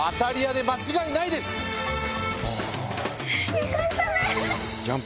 よかったね！